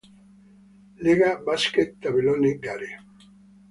Lega Basket Tabellone gare